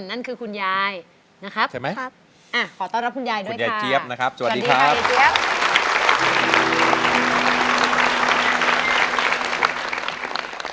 นั่นคือคุณยายนะครับขอต้อนรับคุณยายด้วยค่ะคุณยายเจี๊ยบนะครับสวัสดีครับสวัสดีค่ะคุณยายเจี๊ยบ